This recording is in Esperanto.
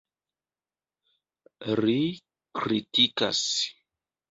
Ri kritikas.